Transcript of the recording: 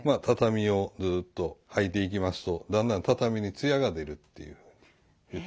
畳をずっと掃いていきますとだんだん畳につやが出るっていう。